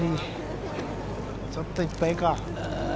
ちょっといっぱいか。